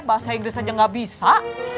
bahasa inggris aja nggak bisa